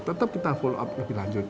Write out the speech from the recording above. tetap kita follow up lebih lanjut